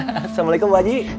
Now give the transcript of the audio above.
assalamualaikum ibu haji